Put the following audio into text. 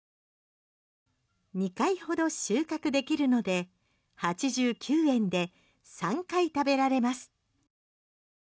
２回ほど収穫できるので８９円で３回食べられます。